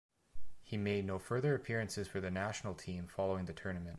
He made no further appearances for the national team following the tournament.